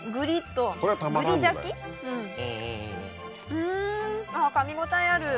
ふんあっかみ応えある。